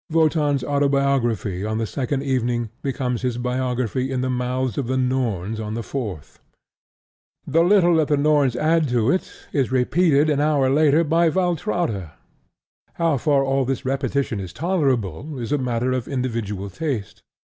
Wotan's autobiography on the second evening becomes his biography in the mouths of the Norns on the fourth. The little that the Norns add to it is repeated an hour later by Valtrauta. How far all this repetition is tolerable is a matter of individual taste.